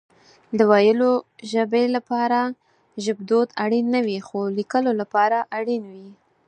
د ويلو ژبه لپاره ژبدود اړين نه وي خو ليکلو لپاره اړين وي